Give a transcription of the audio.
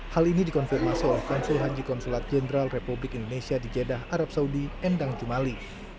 hal ini dikonfirmasi oleh konsul haji konsulat jenderal republik indonesia di jeddah arab saudi endang jumali